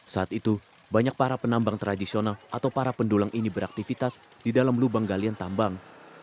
saat itu banyak para penambang tradisional atau para pendulang ini beraktivitas di dalam lubang galian tambang